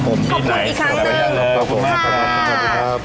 ขอบคุณอีกครั้งหนึ่ง